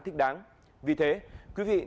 thích đáng vì thế quý vị